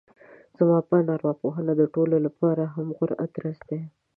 زما په اند ارواپوهنه د ټولو لپاره يې هم غوره ادرس دی.